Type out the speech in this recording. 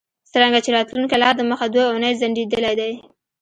څرنګه چې راتلونکی لا دمخه دوه اونۍ ځنډیدلی دی